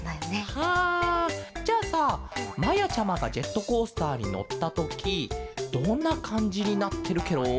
はあじゃあさまやちゃまがジェットコースターにのったときどんなかんじになってるケロ？